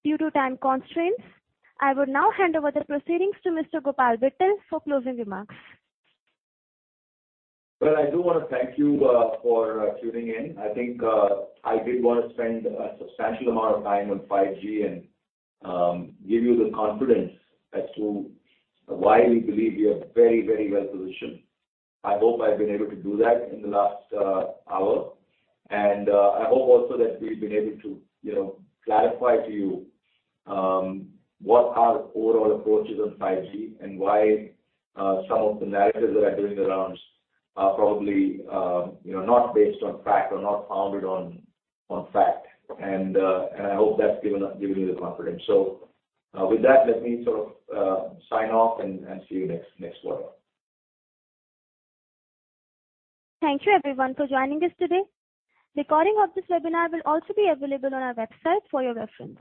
Due to time constraints, I will now hand over the proceedings to Mr. Gopal Vittal for closing remarks. Well, I do wanna thank you for tuning in. I think I did want to spend a substantial amount of time on 5G and give you the confidence as to why we believe we are very, very well positioned. I hope I've been able to do that in the last hour. I hope also that we've been able to, you know, clarify to you what our overall approach is on 5G and why some of the narratives that are doing the rounds are probably, you know, not based on fact or not founded on fact. I hope that's given you the confidence. With that, let me sort of sign off and see you next quarter. Thank you everyone for joining us today. Recording of this webinar will also be available on our website for your reference.